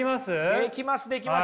できますできます。